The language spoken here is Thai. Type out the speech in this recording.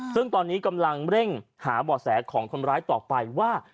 ซึ่งตอนนี้กำลังเร่งหาบ่อแสของคนร้ายต่อไปว่า